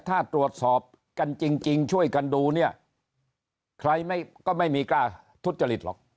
ถ้าตรวจสอบกันจริงช่วยกันดูเนี่ยใครก็ไม่มีกล้าทุจริตหรอก